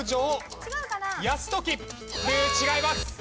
違います。